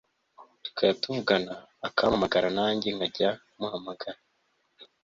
tukajya tuvugana akampamagara nanjye nkajya muhamagara